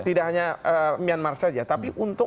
tidak hanya myanmar saja tapi untuk